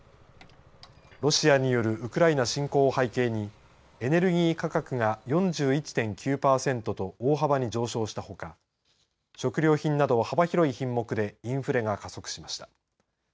ロシアによるウクライナ侵攻を背景にエネルギー価格が４１．９パーセントと大幅に上昇したほか食料品など幅広い品目でインフレが加速しました。